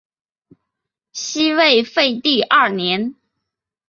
西魏废帝二年。